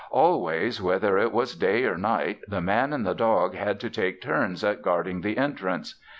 Always, whether it was day or night, the Man and the dog had to take turns at guarding the entrance.